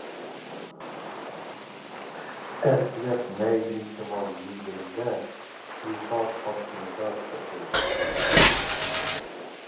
ئەركىلەپ مەيىن شامال يۈزلىرىمدە، ئۇسۇلغا تارتقىنىدا چاچلىرىمنى.